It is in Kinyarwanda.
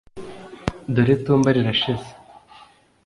dore itumba rirashize